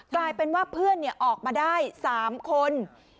กลายเป็นว่าเพื่อนออกมาได้๓คน